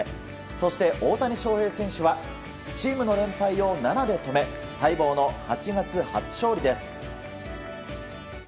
そして大谷翔平選手はチームの連敗を７で止め、待望の８月初勝利です。